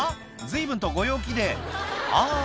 随分とご陽気であぁ